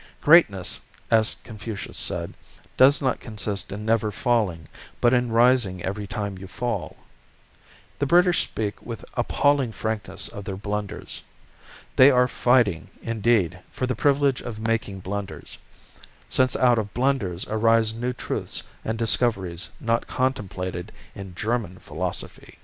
Greatness, as Confucius said, does not consist in never falling, but in rising every time you fall. The British speak with appalling frankness of their blunders. They are fighting, indeed, for the privilege of making blunders since out of blunders arise new truths and discoveries not contemplated in German philosophy.